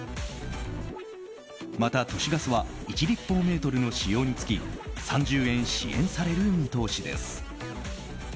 また都市ガスは１立方メートルの使用につき３０円、支援される見通しです。